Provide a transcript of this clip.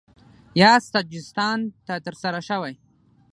یا سجستان ته ترسره شوی